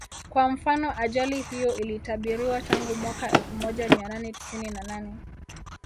Kwa mfano ajali hiyo ilitabiriwa tangu mwaka elfu moja mia nane tisini na nane